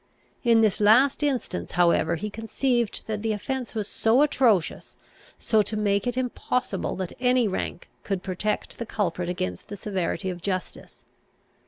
In this last instance however he conceived that the offence was so atrocious, as to make it impossible that any rank could protect the culprit against the severity of justice.